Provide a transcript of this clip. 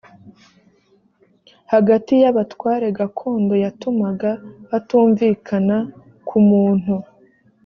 hagati y abatware gakondo yatumaga batumvikana ku muntu